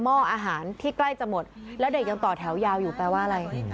ห้ออาหารที่ใกล้จะหมดแล้วเด็กยังต่อแถวยาวอยู่แปลว่าอะไร